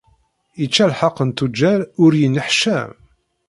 Yečča lḥeq n tuǧǧal ur yenneḥcam.